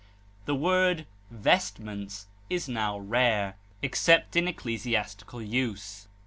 The word vestments is now rare, except in ecclesiastical use.